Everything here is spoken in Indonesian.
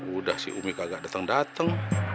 udah si umi kagak dateng dateng